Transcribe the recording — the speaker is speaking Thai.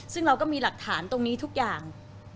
ซึ่งเราก็มีหลักฐานตรงนี้ทุกอย่าง